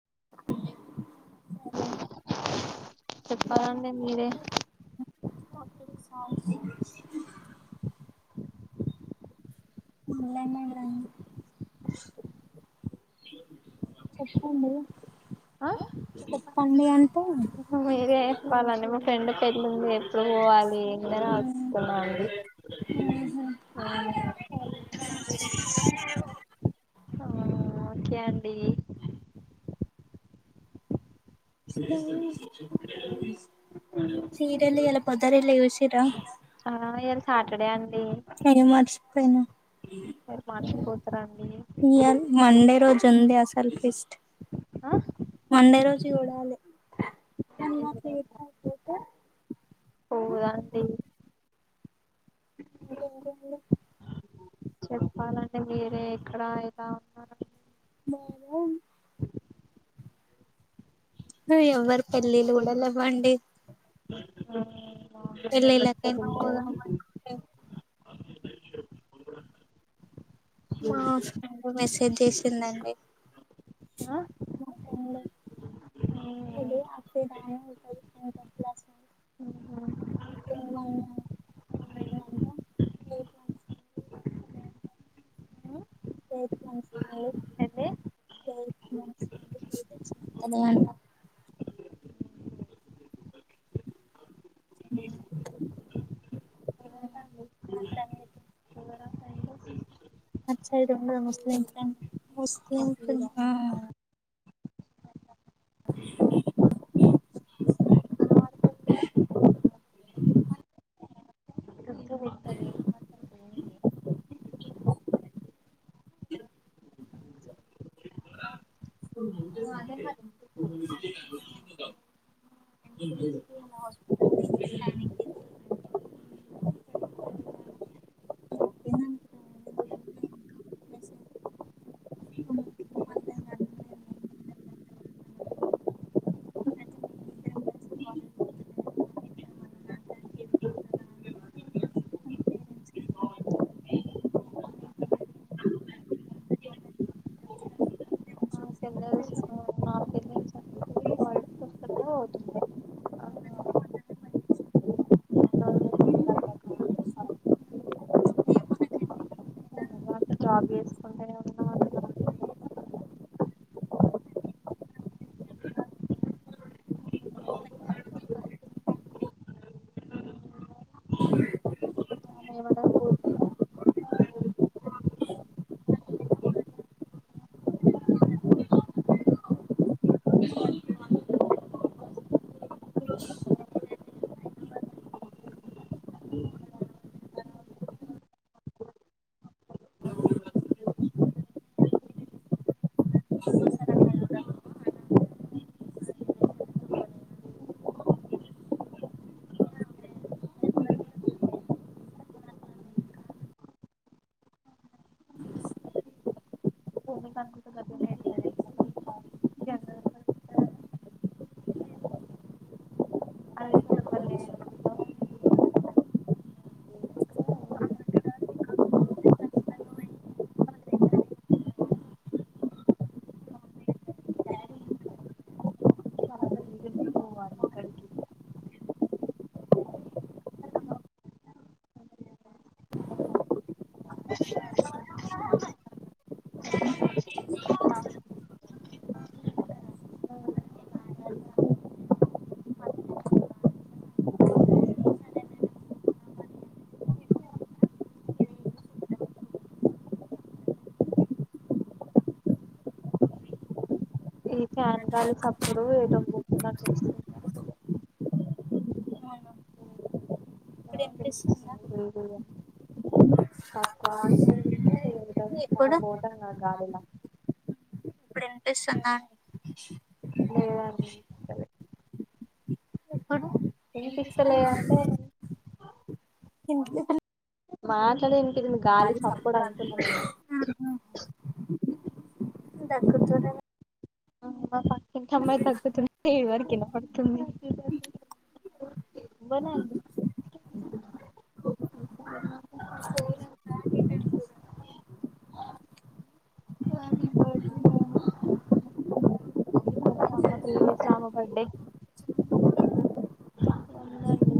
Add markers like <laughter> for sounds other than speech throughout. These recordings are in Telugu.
<inaudible> చెప్పాలండి మీరే సాంగ్స్ వింటు మల్లన్న ఎవరండి చెప్పండి ఆ చెప్పండి అంటే మీరే చెప్పాలండి మా ఫ్రెండ్ పెళ్ళి ఉంది ఎప్పుడు పోవాలి అని అడుగు తునాన్నాండి ఉహుమ్ అవునా ఓకే అండి ఇ చీరలు ఎలా పొదర ఎలీ చూసిరా ఆ ఇయాలా సాటర్డే అండి నేను మర్చిపోయినా మీరు మర్చిపోతారండి ఇయర్ మండే రోజు ఉంది అసలు ట్వీస్ట్ ఆ మండే రోజు చూడాలి ఎాపోతే పోదండి ఓకే ఓకే అండి చెప్పాలండి మీరే ఎక్కడ ఎలా ఉన్నారు బాగా వున్న ఎవ్వరు పెళ్ళిలు కూడా లేవు అండి బాగుంది ఎవరికి పెళ్లిళ్ళకైనా తెలియలేదు. పొద్దాం అంటే మా హస్బెండ్ మెసేజ్ చేసిండు అండి ఆ ఓకే అండి హలి ఆపే దా హోటపలా స అంతేమంట ప్రైత్ పంక్షన్లు ఏంది తిందామా అంటా అ <inaudible> అండి అచ్చ ఇ ఉ ముస్లిం ఫ ముస్లిం ఆ అ ఆ గుర్తు ఆ పెట్టలేదు అదే మరి <inaudible> <inaudible> హాస్పిటల్ ఆ ఓకేనా అండి <inaudible> ఆ నాకేం దెలుసు నాకేం దేలుస్ అండి క్వాలేజ్ కు వస్తుంట పోతున్నా ఒక రోజులైతే నేను కలవక మొన్నగా అట్లా జాబ్ చేసుకుంటే ఎమన్నా ఆమె ఏమన్నా పూర్ణిమ భూమిక గది లేదు <unintelligible> అదే సరే బలే అప్పుడు వలందా రెటర్న్ పోవాలీ ఆక్కడికి ఈ ఫ్యాన్ గాలి సప్పుడు ఏటో పోతున్నట్టు వస్తుంది. నాకు వినిపిస్తుందా <unintelligible> తక్కువ మనం వినిపిస్తుందా పోతాం క గాలీలా వినిపిస్తుందా లేదని ఇప్పుడు వినిపిస్తలేదు అంటే ఇప్పుడు వినిపిస్తుందా మాట్లాడేది వినిపియా గాలి సప్పుడు అంటున్నా నేను దగ్గుతూ ఇంట్ల అమ్మాయి దగ్గుతూ ఉంటే నీవరికి వినబడుతుంది బోనలది హ్యాపీ బర్త్డే నాని ఈ రోజు ఆమె బర్త్డే ఉందండి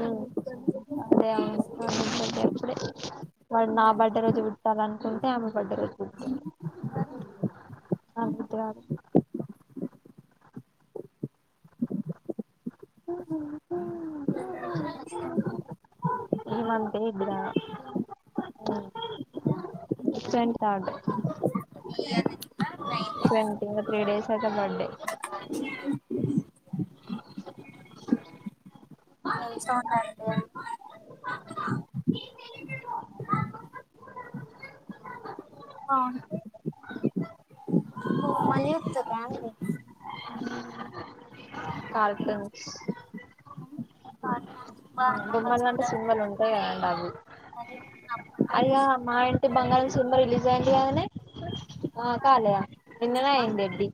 ఉమ్ అదే అవును వాళ్ళు నా బర్త్డే రోజు కుడతాల అనుకుంటే ఆమె బర్త్డే రోజు కుడతారు ఆ కుదుతది ఆమె అంటే ఇద్దరా పెన్ కార్డు ట్వంటీ ఇంకా త్రీ డేస్ నా బర్డే <unintelligible> అవును మళ్ళీ ఉడుకుతద అండి <unintelligible> బానే ఉంటది బొమ్మలు అంటే చూడండి సింబల్లు ఉంటయి కదండి అవి అది అప్పట్లో అయ్యో మా ఇంటి బంగారం సినిమా రిలీజ్ అయింది కాదనే ఆ కాలేయా నిన్న నే సినిమా అయింది ఎడ్డీ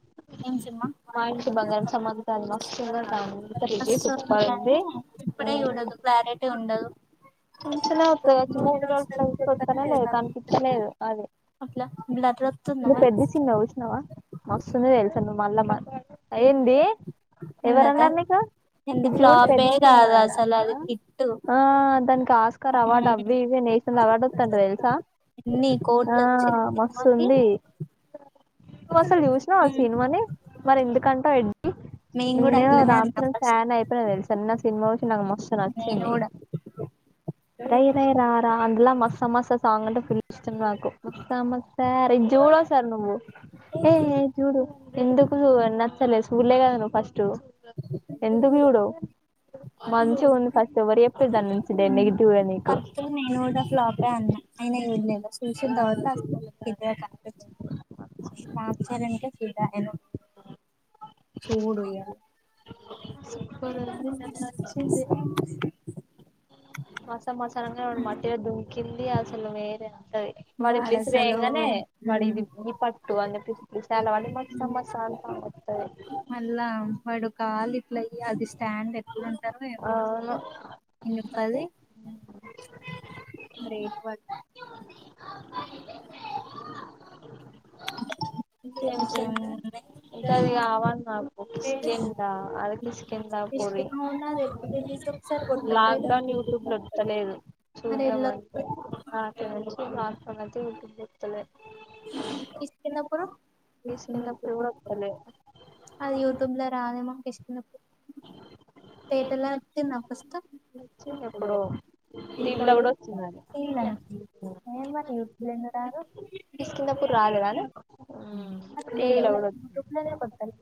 ఏం సినిమా మా ఇంటి బంగారం సంమత మస్తుంది అంట ఇది వస్తుంది సూపర్ కానీ ఉంది అ ఇప్పుడే చూడదు క్లారిటీ ఉండదు వెంటనే వత్తాది వచ్చి మూవీ రూల్ రూల్స్ తెలుసుకోవడం తీకొస్తానే లేదు కనిపించలేదు అది బ్లాడర్ నువ్వు పెద్ది సినిమా చూసినావా మస్తుంది తెలుసా నువ్వు మళ్ళా మ ఏంది ఎందట ఎవరన్నారు నీకు ఈ ఎందు చూడు ఫ్లాపే పెద్ది సినిమా కాదు ఆట అసలు అది హిట్టు ఆ దానికి ఆస్కర్ అవార్డు అవి ఇవి నేష అలవాడొతుంట దేలుసా ఎన్ని ఆ కోట్లు వచ్చినయి మస్తు సినిమాకి ఉంది నువ్వు అసలు చూసినావ ఆ సినిమాని మరి ఎందుకంటో ఎడ్ మేము కూడా ఇన్నే అట్లనే అన్నాం రామచరన్ ఫస్ట్ ఫ్యాన్ అయిపోయినా తెలుసా చిన్న సినిమా చూసీ నాకు మస్త్ నేను నచ్చింది కూడా రై రై రా రా అలా మస మస సాంగ్ ఫుల్ ఇష్టం మ మ రీ చూడో సారీ నువ్వు ఏ ఏ చూడు ఎందుకు నచ్చలే సూడాలే కద నువ్వు ఫస్ట్ ఎందుకు చూడవు మంచిగా ఫస్ట్ ఎవరూ చెప్పిరు దాని గురించి నెగటివ్గా నీకు అయినా నేను కూడా ఫ్లాపే అన్నా అయన ఏలేదూ చూసిన తర్వాత అ <unintelligible> రామ్చరణ్ కి ఫిధా అయినా చూడు ఇయ్యాల సూపర్ ఉంది నాకు మస మసానంగా మట్టిలో దుమ్కింది అసలు వేరే అంత వాడు ఇట్ల వాడసలు ఇసిరేయంగానే వాడు ఇది పట్టు అంద <unintelligible> మల్ల పడుకు కాలు ఇట్లయి అది స్టాండ్ ఎప్పుడుంటారో ఏమో అవును అది <unintelligible> మరి <unintelligible> ఇంకేమున్నాయి ఇంకా అది కావాలి నాకు <unintelligible> దా పోరి అవునా అది ఎప్పుడు రిలీజ్ ఒకసారి కొట్టకపోయిరు లాక్డౌన్ యూట్యూబ్ లో ఓతలేదు మరి ఎళ్ళ చూద్దామంటే <unintelligible> ట్యూబ్ ల ఒస్తలేదు కిష్కిన్నప్పుడు తీసుకున్నపుడు కూడా ఒస్తలేదు అది యుట్యూబ్ లో రాదేమో <unintelligible> వచ్చింది ఎప్పుడో <unintelligible> టీవీలో <unintelligible> ఎందుకు కూడా వచ్చింది అది రాదు హ్మ్ <unintelligible>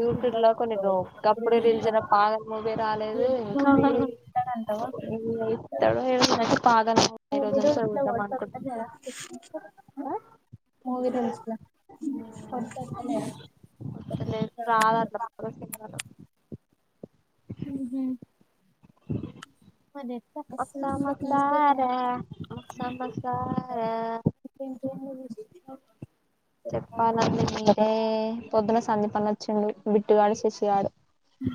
యూట్యూబ్ లో కొన్ని ఒకప్పుడు రిలీజ్ అయిన పాగల్ మూవీ రాలేదు ఇంకా అంటావా <unintelligible> పగల్ ఈ మూవీ రోజు రూల్స్ లో చూద్దాం వర్డ్స్ వత్తలేదా అనుకుంటున్న మూవీ రూల్జ్ ల ాల మ్మ్ మరి ఎట్లా అస మసరా అస మసారా చెప్పాల అంటే పొద్దున సందీపనచ్చిండు బిట్టుగాడు శశిగాడు అ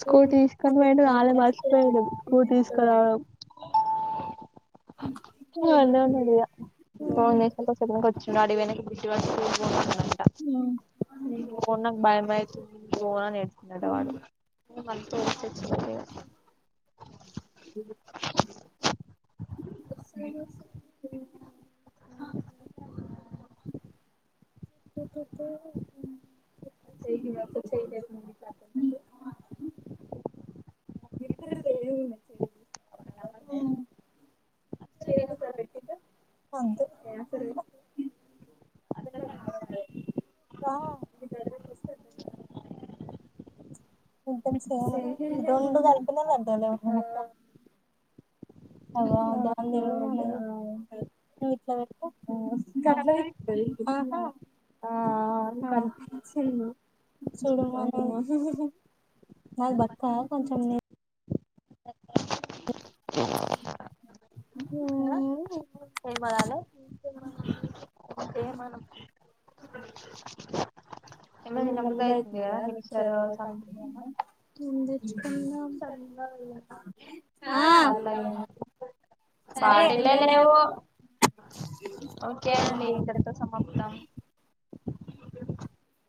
స్కూటీ తీసుకొని పోయిండు అనే మరీచిపోయిండు స్కూటీ తీసుకురావడం అన్నే ఉన్నాడు ఇగ <inaudible> ఏమో నాకు భయమవుతుంది అని ఏడిచిందట వాడు మనతో <unintelligible> ఆ త <unintelligible> అంతే <unintelligible> ఇంకా ఇద్దరం <unintelligible> <unintelligible> <unintelligible> బక్కగా కొంచం సమదాలంతే మన ఏమ మృదయితుందిద మిక్చర్ సంథింగ్ ఏం తెచ్చుకున్నాం ఆ సరే పాటిల్ బాటిల్లే లేవో లేవు ఓకే అండి ఇంతతో సమాప్తాం